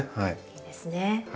いいですね。